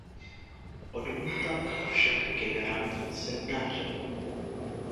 Odmítal však generální semináře.